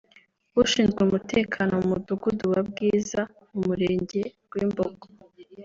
ushinzwe umutekano mu Mudugudu wa Bwiza mu Murenge Rwimbogo